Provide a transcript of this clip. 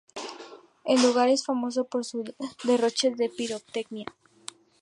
El lugar es famoso por su derroche en pirotecnia.